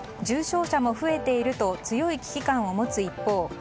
重症者も増えていると強い危機感を持つ一方